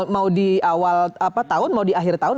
mau di awal tahun mau di akhir tahun